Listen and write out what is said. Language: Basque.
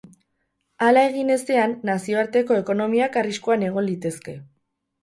Hala egin ezean, nazioarteko ekonomiak arriskuan egon litezke.